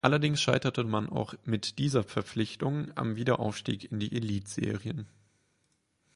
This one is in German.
Allerdings scheiterte man auch mit dieser Verpflichtung am Wiederaufstieg in die Elitserien.